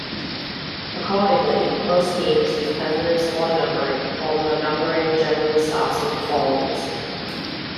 Accordingly, most teams use permanent squad numbering, although numbering generally starts with the forwards.